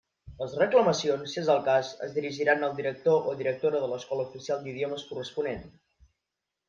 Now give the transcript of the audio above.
Les reclamacions, si és el cas, es dirigiran al director o directora de l'escola oficial d'idiomes corresponent.